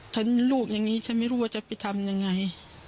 ลูกอย่างนี้ฉันไม่รู้ว่าจะไปทำยังไง